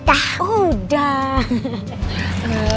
sudah berada di muhamil